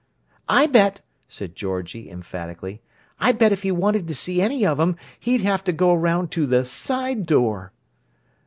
"I bet," said Georgie emphatically, "I bet if he wanted to see any of 'em, he'd haf to go around to the side door!"